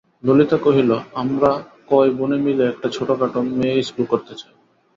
ললিতা কহিল, আমরা কয় বোনে মিলে একটি ছোটোখাটো মেয়ে-ইস্কুল করতে চাই।